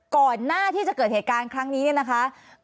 ก่อนหน้าที่จะเกิดเหตุการณ์ครั้งนี้เนี่ยนะคะ